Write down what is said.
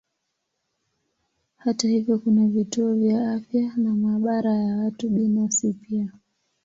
Hata hivyo kuna vituo vya afya na maabara ya watu binafsi pia.